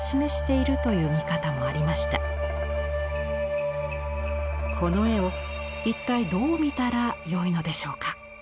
この絵を一体どう見たらよいのでしょうか。